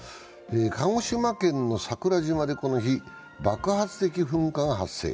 鹿児島県の桜島でこの日、爆発的噴火が発生。